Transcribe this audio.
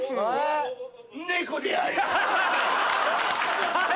猫である。